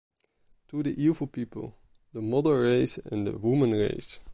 to the evil people, the mother race and the women race